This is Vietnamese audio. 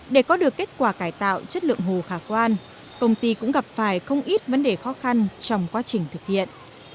để có được kết quả cải tạo chất lượng hồ khả quan công ty cũng gặp phải không ít vấn đề khó khăn trong quá trình thực hiện